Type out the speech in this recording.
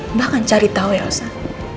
mbak akan cari tahu ya osan